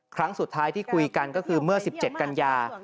ครั้งสุดท้ายที่คุยกันก็คือเมื่อ๑๗กันยา